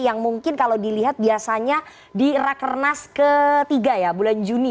yang mungkin kalau dilihat biasanya di rakernas ketiga ya bulan juni